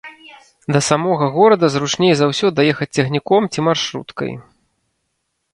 Да самога горада зручней за ўсё даехаць цягніком ці маршруткай.